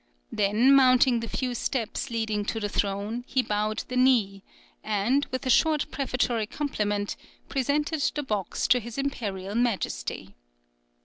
Then mounting the few steps leading to the throne, he bowed the knee, and, with a short prefatory compliment, presented the box to his Imperial Majesty.